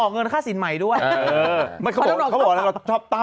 อ๋อเงินราคาสินใหม่ด้วยเขาบอก